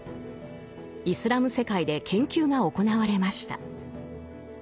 イスラム世界で研究が行われました。